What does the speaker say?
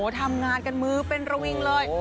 ทำงานกันมือเป็นระวิงเลย